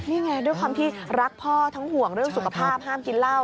นี่ไงด้วยความที่รักพ่อทั้งห่วงเรื่องสุขภาพห้ามกินเหล้า